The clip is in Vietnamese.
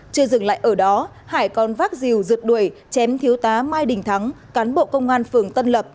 chưa dừng lại ở đó hải còn vác rìu rượt đuổi chém thiếu tá mai đình thắng cán bộ công an phường tân lập